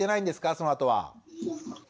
そのあとは。